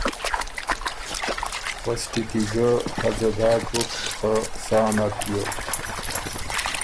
پسټی کی ګۀ هځه داک بُک، خه سا نک بیوک،